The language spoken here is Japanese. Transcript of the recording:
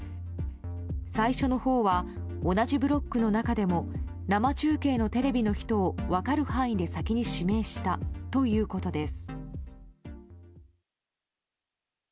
最初のほうは同じブロックの中でも生中継のテレビの人を分かる範囲で先に指名したということです。